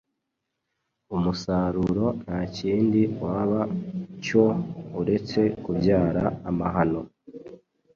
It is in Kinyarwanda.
umusaruro nta kindi waba cyo uretse kubyara amahano.